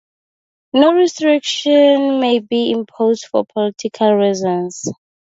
No restriction may be imposed for political reasons.